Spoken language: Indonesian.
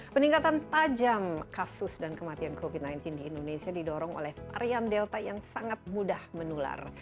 peningkatan tajam kasus dan kematian covid sembilan belas di indonesia didorong oleh varian delta yang sangat mudah menular